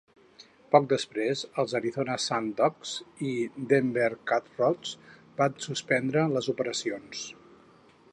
Poc després, els Arizona Sundogs i Denver Cutthroats van suspendre les operacions.